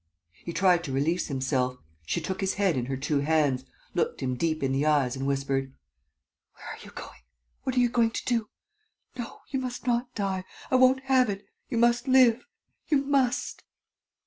..." He tried to release himself. She took his head in her two hands, looked him deep in the eyes and whispered: "Where are you going? What are you going to do? No ... you must not die. ... I won't have it ... you must live ... you must."